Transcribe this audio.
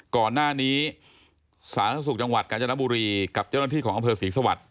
ก่อนหน้านี้สาธารณสุขจังหวัดกาญจนบุรีกับเจ้าหน้าที่ของอำเภอศรีสวัสดิ